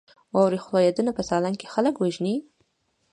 واورې ښویدنه په سالنګ کې خلک وژني؟